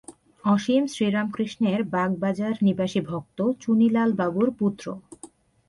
অসীম শ্রীরামকৃষ্ণের বাগবাজারনিবাসী ভক্ত, চুনীলালবাবুর পুত্র।